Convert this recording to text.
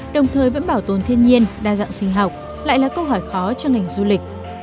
đồng thời vẫn bảo tồn thiên nhiên đa dạng sinh học lại là câu hỏi khó cho ngành du lịch